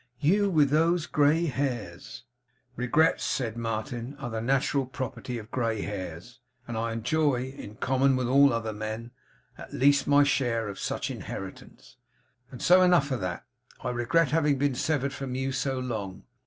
YOU with those grey hairs!' 'Regrets,' said Martin, 'are the natural property of grey hairs; and I enjoy, in common with all other men, at least my share of such inheritance. And so enough of that. I regret having been severed from you so long.